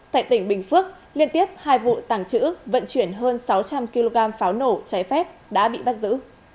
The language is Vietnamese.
tại tỉnh bình phước liên tiếp hai vụ tàng trữ vận chuyển hơn sáu trăm linh kg pháo nổ trái phép đã bị bắt giữ